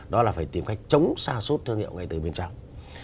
đó là phải tìm cách chống xa xốt thương hiệu ngay từ bên trong